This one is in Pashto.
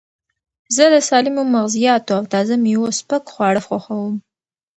زه د سالمو مغزیاتو او تازه مېوو سپک خواړه خوښوم.